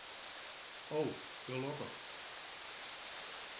O, gelokkich.